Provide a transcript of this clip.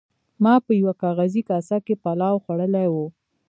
ما په یوه کاغذي کاسه کې پلاو خوړلی و.